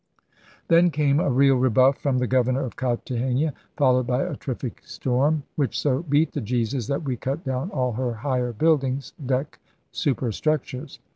Then came a real rebuff from the governor of Cartagena, followed by a terrific storm * which so beat the Jesus that we cut down all her higher buildings' (deck superstructures).